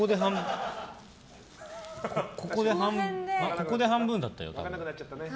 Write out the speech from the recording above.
ここで半分だったよね。